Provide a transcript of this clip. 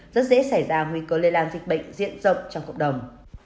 rất dễ xảy ra nguy cơ lây lan dịch bệnh diện rộng trong cộng đồng